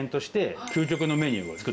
究極のメニューですか？